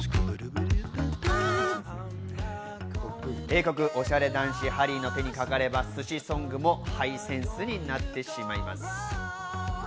英国オシャレ男子、ハリーの手にかかれば、寿司ソングもハイセンスになってしまいます。